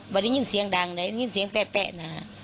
ผลิตยุ่นเสียงดังเลยสิมีเสียงแป๊ะน่ะ